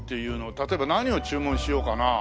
例えば何を注文しようかな？